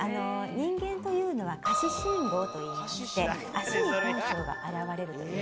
人間というのは下肢信号といいまして足に本性が表れるという風にいわれています。